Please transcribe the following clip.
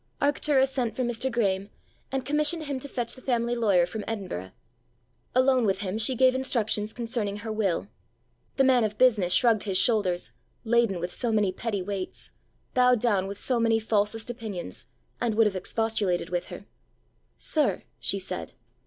Arctura sent for Mr. Graeme, and commissioned him to fetch the family lawyer from Edinburgh. Alone with him she gave instructions concerning her will. The man of business shrugged his shoulders, laden with so many petty weights, bowed down with so many falsest opinions, and would have expostulated with her. "Sir!" she said.